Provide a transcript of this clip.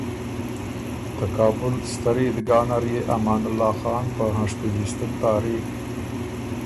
ته کابل ستر عیدګاه نر يې امان الله خان په هنشتی جیستُم تاریخ